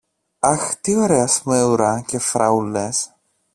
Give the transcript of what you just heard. Αχ, τι ωραία σμέουρα και φράουλες!